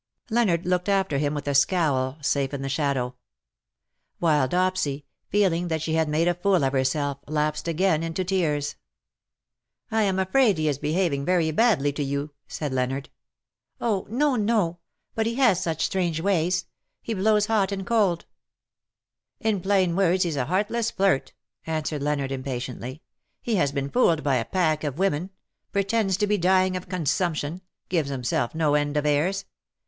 Leonard looked after him with a scowl, safe in the shadow; while Dopsy, feeling that she had made a fool of herself, lapsed again into tears. " I am afraid he is behaving very badly to you/^ said Leonard. '^ Oh, no, no. But he has such strange ways. He blows hot and cold.^^ ^' In plain words, he^s a heartless flirt/^ answered Leonard, impatiently. '' He has been fooled by a pack of women — pretends to be dying of consumption — gives himself no end of airs.